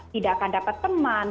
tidak akan dapat teman